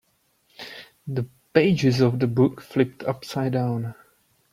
The pages of the book flipped upside down.